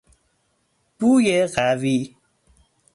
بوی قوی